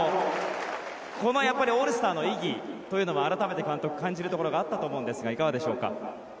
このオールスターの意義というのを監督、改めて感じるところがあったと思うんですがいかがでしょうか。